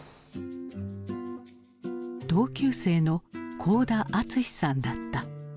同級生の幸田篤司さんだった。